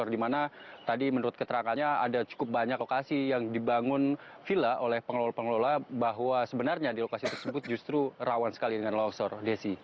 di mana tadi menurut keterangannya ada cukup banyak lokasi yang dibangun villa oleh pengelola pengelola bahwa sebenarnya di lokasi tersebut justru rawan sekali dengan longsor desi